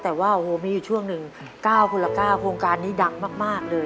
แต่ว่าโอ้โหมีอยู่ช่วงหนึ่ง๙คนละ๙โครงการนี้ดังมากเลย